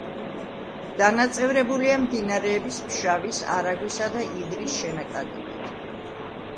დანაწევრებულია მდინარეების ფშავის არაგვისა და ივრის შენაკადებით.